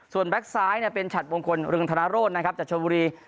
ส่วนแบ็คซ้ายเเนี่ยเป็นชัดวงคลจัดชนบูรี